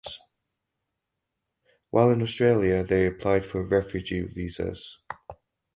Whilst in Australia they applied for refugee visas.